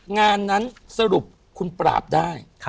งานนั้นสรุปคุณปราบได้